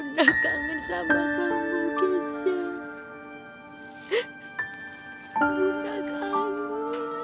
sampai jumpa di video selanjutnya